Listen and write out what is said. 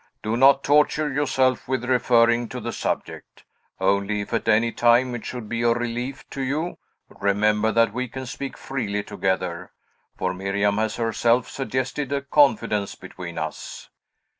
Do not torture yourself with referring to the subject. Only, if at any time it should be a relief to you, remember that we can speak freely together, for Miriam has herself suggested a confidence between us."